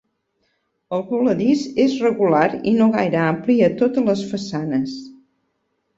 El voladís és regular i no gaire ampli a totes les façanes.